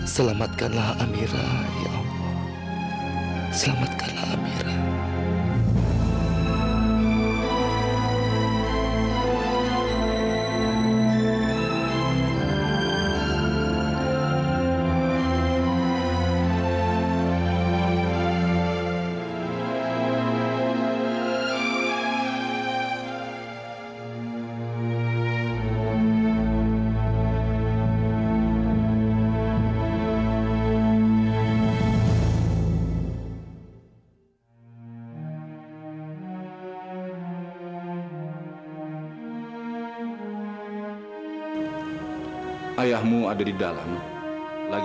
selamatkanlah amira ya allah